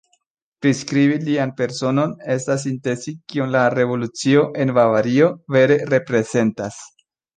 Priskribi lian personon estas sintezi kion la revolucio en Bavario vere reprezentas.